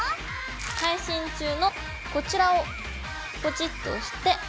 配信中のこちらをポチッと押して。